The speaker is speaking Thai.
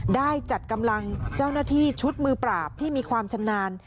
ได้จัดกำลังเจ้าหน้าที่ชุดมือปราบที่มีความชำนาญ